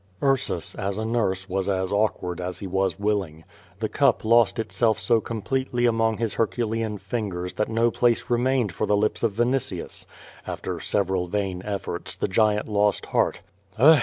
Ursus as a nurse wjis as awkward as he was willing. The cup lost itself so com])letely among liis herculean fingers tiiat no place remained for the lips of Vinitius. After several vain efTorts, the giant lost heart.